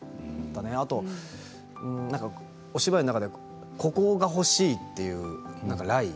あとお芝居の中でここが欲しいというライン